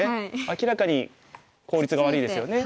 明らかに効率が悪いですよね。